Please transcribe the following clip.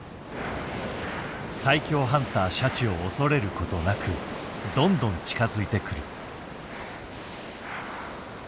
最強ハンターシャチを恐れることなくどんどん近づいてくる。